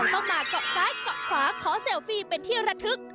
ต้องมาเกาะซ้ายเกาะขวาขอเซลฟี่เป็นที่ระทึก